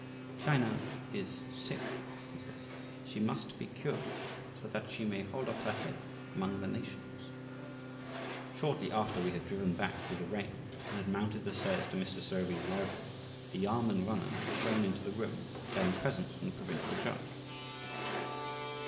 "China is sick," he said; "she must be cured so that she may hold up her head among the nations." Shortly after we had driven back through the rain and had mounted the stairs to Mr. Sowerby's library, a Yâmen runner was shown into the room, bearing presents from the provincial judge.